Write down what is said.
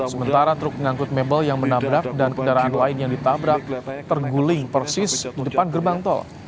sementara truk pengangkut mebel yang menabrak dan kendaraan lain yang ditabrak terguling persis di depan gerbang tol